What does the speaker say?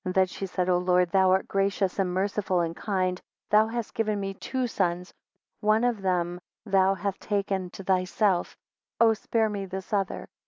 4 Then she said, O Lord, thou art gracious, and merciful, and kind; thou, hast given me two sons; one of them thou halt taken to thyself, O spare me this other.